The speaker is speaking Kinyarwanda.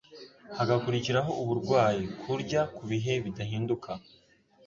hagakurikiraho uburwayi. Kurya ku bihe bidahinduka